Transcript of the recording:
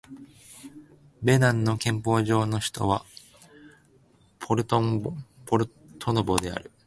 ベナンの憲法上の首都はポルトノボである